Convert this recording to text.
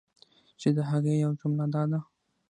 چی د هغی یوه جمله دا ده